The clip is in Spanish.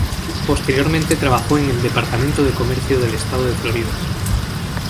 Posteriormente trabajó en el Departamento de Comercio del estado de Florida.